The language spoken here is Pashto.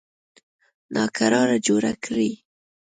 ناکراري جوړه کړي.